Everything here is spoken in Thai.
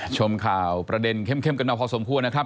ชมข่าวประเด็นเข้มกันมาพอสมควรนะครับ